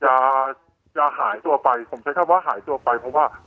จะจะหายตัวไปผมใช้คำว่าหายตัวไปเพราะว่า